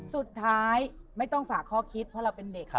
สุดท้ายไม่ต้องฝากข้อคิดเพราะเราเป็นเด็ก